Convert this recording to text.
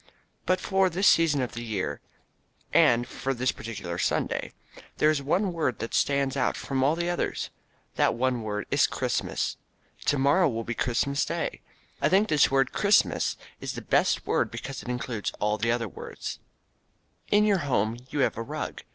But for this season of the year, and for this particular Sunday, there is one word that stands out from among all the others. That one word is "Christmas." To morrow will be Christmas day. I think this word "Christmas" is the best word because it includes all the other good words. In your home you have a rug.